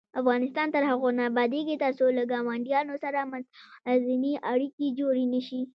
افغانستان تر هغو نه ابادیږي، ترڅو له ګاونډیانو سره متوازنې اړیکې جوړې نشي.